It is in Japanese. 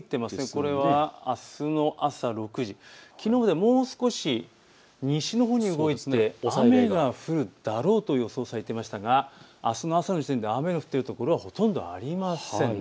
これはあすの朝６時、きのうよりももう少し、西のほうに動いて雨が降るだろうという予想、されていましたがあすの朝の時点で雨が降っているところはほとんどありません。